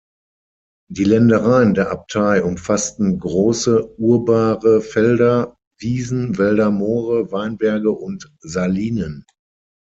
Die Ländereien der Abtei umfassten große urbare Felder, Wiesen, Wälder, Moore, Weinberge und Salinen.